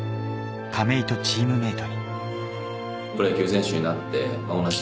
亀井とチームメイト。